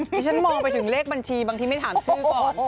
ที่ฉันมองไปถึงเลขบัญชีบางทีไม่ถามชื่อก่อน